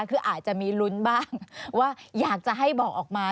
คืออาจจะมีลุ้นบ้างว่าอยากจะให้บอกออกมา